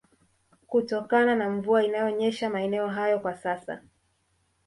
kutokana na mvua inayonyesha maeneo hayo kwa sasa